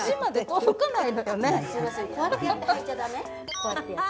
こうやってやって。